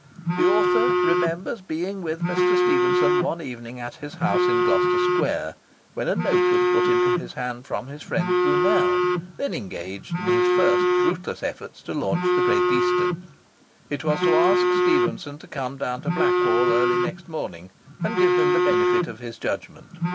The author remembers being with Mr. Stephenson one evening at his house in Gloucester Square, when a note was put into his hands from his friend Brunel, then engaged in his first fruitless efforts to launch the Great Eastern. It was to ask Stephenson to come down to Blackwall early next morning, and give him the benefit of his judgment.